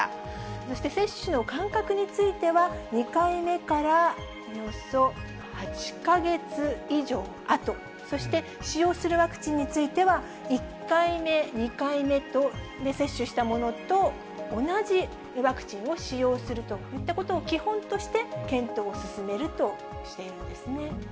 そして接種の間隔については、２回目からおよそ８か月以上あと、そして使用するワクチンについては、１回目、２回目で接種したものと同じワクチンを使用するといったことを基本として検討を進めるとしているんですね。